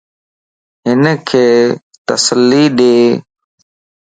ھنک تسلي ڏي